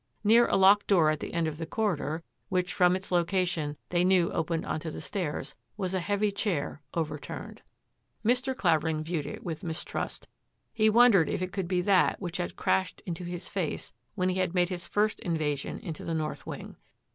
Near a locked door at the end of the corridor which, from its location, they knew opened on to the stairs, was a heavy chair, overturned. Mr. Clavering viewed it with mistrust. He wondered if it could be that which had crashed into his face when he had made his first invasion into the north wing.